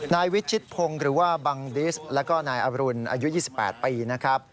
นายวิชิตพงศ์หรือว่าบังดิสแล้วก็นายอรุณอายุ๒๘ปีนะครับ